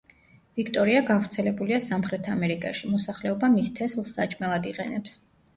ვიქტორია გავრცელებულია სამხრეთ ამერიკაში, მოსახლეობა მის თესლს საჭმელად იყენებს.